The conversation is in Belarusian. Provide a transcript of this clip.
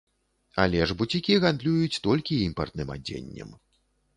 Але ж буцікі гандлююць толькі імпартным адзеннем.